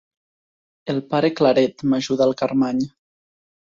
El pare Claret —m'ajuda el Carmany.